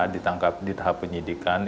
ditangkap di tahap penyidikan